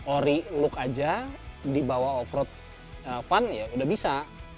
ori look aja dibawa off road fun ya udah bisa